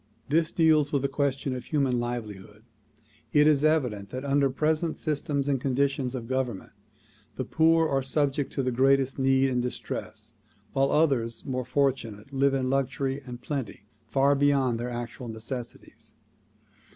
This deals with the question of human livelihood. It is evident that under present systems and conditions of government the poor are subject to the greatest need and distress while others more fortunate live in luxury and plenty far beyond their actual necessi ties.